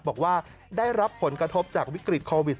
บอกว่าได้รับผลกระทบจากวิกฤตโควิด๑